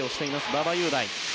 馬場雄大。